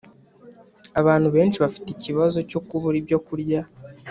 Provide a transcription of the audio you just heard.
abantu benshi bafite ikibazo cyo kubura ibyo kurya.